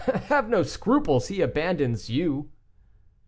"Have no scruples; he abandons you."